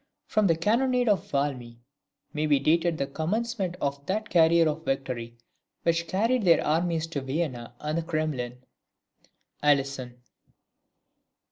"From the cannonade of Valmy may be dated the commencement of that career of victory which carried their armies to Vienna and the Kremlin." [Alison.